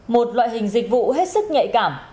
một loại hình dịch vụ hết sức nhạy cảm